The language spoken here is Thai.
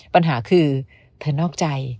ปัญหาคือเธอนอกใจ